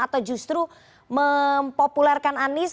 atau justru mempopulerkan anies